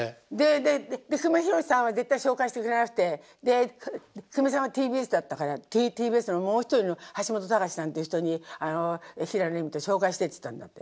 で久米宏さんは絶対紹介してくれなくてで久米さんはＴＢＳだったからＴＢＳのもう一人のハシモトタカシさんっていう人に「平野レミ紹介して」っつったんだって。